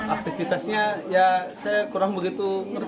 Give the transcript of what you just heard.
aktivitasnya ya saya kurang begitu